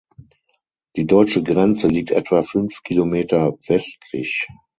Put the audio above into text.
Die deutsche Grenze liegt etwa fünf Kilometer westlich.